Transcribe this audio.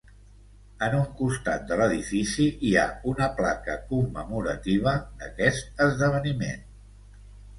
En un costat de l'edifici hi ha una placa commemorativa d' aquest esdeveniment.